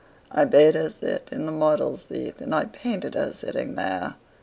I bade her sit in the model's seat And I painted her sitting there.